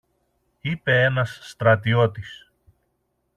είπε ένας στρατιώτης.